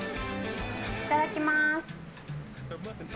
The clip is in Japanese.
いただきます。